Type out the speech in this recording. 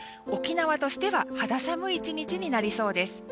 沖縄としては肌寒い１日となりそうです。